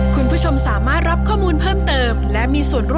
คุณล่ะโหลดแล้วยัง